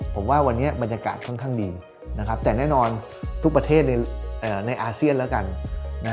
ผมว่าวันนี้บรรยากาศค่อนข้างดีนะครับแต่แน่นอนทุกประเทศในอาเซียนแล้วกัน